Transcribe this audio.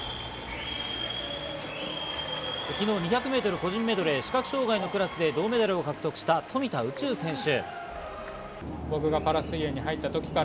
昨日２００ｍ個人メドレー視覚障害のクラスで銅メダルを獲得した富田宇宙選手。